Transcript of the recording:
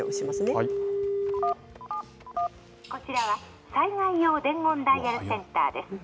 こちらは災害用伝言ダイヤルセンターです。